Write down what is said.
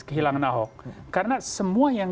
kehilangan ahok karena semua yang